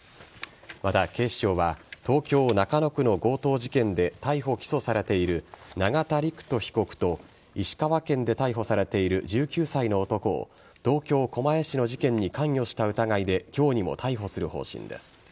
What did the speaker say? また、警視庁は東京・中野区の強盗事件で逮捕起訴されている永田陸人被告と石川県で逮捕されている１９歳の男を東京・狛江市の事件に関与した疑いで今日にも逮捕する方針です。